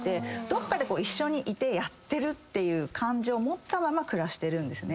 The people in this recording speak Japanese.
どっかで一緒にいてやってるっていう感情を持ったまま暮らしてるんですね。